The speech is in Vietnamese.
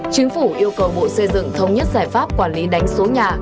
chính phủ yêu cầu bộ xây dựng thống nhất giải pháp quản lý đánh số nhà